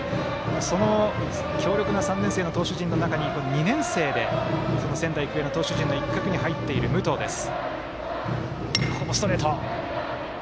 その強力な３年生の投手陣の中に２年生で仙台育英の投手陣の一角に入っている武藤です。